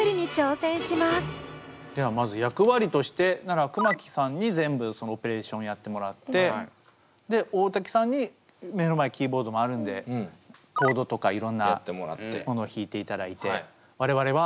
ではまず役割としてなら熊木さんに全部そのオペレーションをやってもらってで大瀧さんに目の前キーボードもあるんでコードとかいろんなものを弾いていただいて我々は。